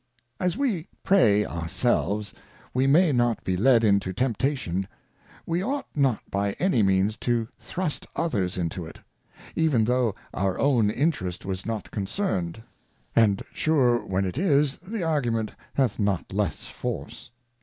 As we Pray our selves we may not be led into Temptation, we ought not by any means to thrust others into it; even though our own Interest was not concerned ; And sure when it is, the Argument hath not less force.